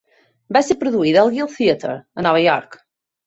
Va ser produïda al Guild Theatre a Nova York